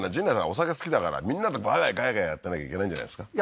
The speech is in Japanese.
お酒好きだからみんなでワイワイガヤガヤやってなきゃいけないんじゃないですか？